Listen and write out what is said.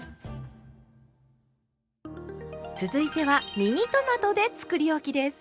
続いてはミニトマトでつくりおきです。